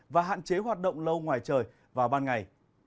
và hạn chế hoạt động lâu ngoài trời vào ban ngày